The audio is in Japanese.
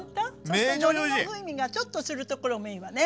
そしてのりの風味がちょっとするところもいいわね。